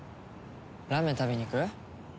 ラーメン食べにいく？